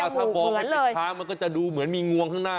ถ้ามองให้เป็นช้างมันก็จะดูเหมือนมีงวงข้างหน้า